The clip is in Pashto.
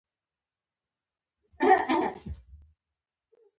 هېواد زموږ عزت دی